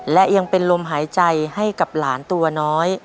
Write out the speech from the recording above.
และยังเป็นลมหายใจให้กับหลานตัวน้อย